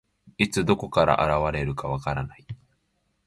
いつ、どこから現れるか分からない。